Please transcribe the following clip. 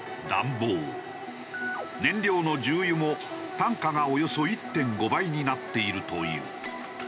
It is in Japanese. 燃料の重油も単価がおよそ１．５倍になっているという。